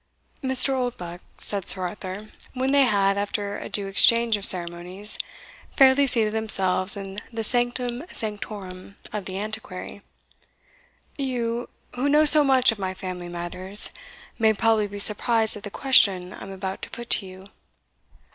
"Mr. Oldbuck," said Sir Arthur, when they had, after a due exchange of ceremonies, fairly seated themselves in the sanctum sanctorum of the Antiquary, "you, who know so much of my family matters, may probably be surprised at the question I am about to put to you."